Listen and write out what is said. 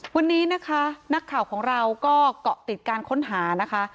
วันนี้นะคะนักข่าวของเราก็เกาะติดการค้นหานะคะ